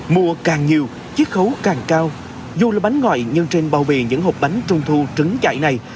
mùa càng nhiều chiếc khấu càng cao dù là bánh ngoại nhưng trên bao bì những hộp bánh trung thu trứng chạy này